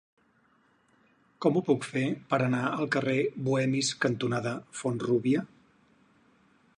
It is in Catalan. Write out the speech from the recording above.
Com ho puc fer per anar al carrer Bohemis cantonada Font-rúbia?